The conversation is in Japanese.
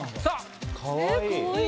かわいい。